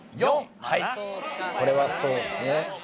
はいこれはそうですね。